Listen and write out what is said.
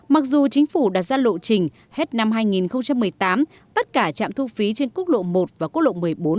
mặc dù chính phủ đặt ra lộ trình hết năm hai nghìn một mươi tám tất cả trạm thu phí trên quốc lộ một và quốc lộ một mươi bốn